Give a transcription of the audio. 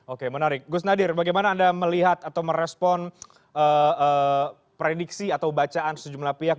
oke menarik gus nadir bagaimana anda melihat atau merespon prediksi atau bacaan sejumlah pihak